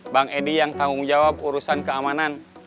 bang edi yang tanggung jawab urusan keamanan